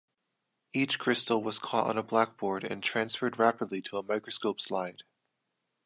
Each crystal was caught on a blackboard and transferred rapidly to a microscope slide.